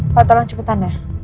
pak tolong cepetan ya